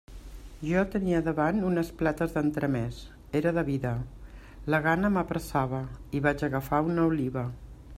Jo tenia davant unes plates d'entremès, era de vida, la gana m'apressava, i vaig agafar una oliva.